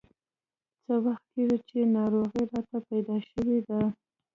څه وخت کېږي چې ناروغي راته پیدا شوې ده.